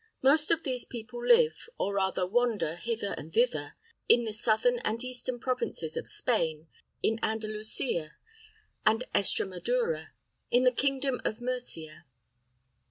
Most of these people live, or rather wander hither and thither, in the southern and eastern provinces of Spain, in Andalusia, and Estramadura, in the kingdom of Murcia.